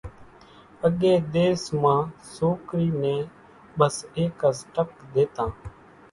اڳيَ ۮيس مان سوڪرِي نين ٻس ايڪز ٽڪ ۮيتان۔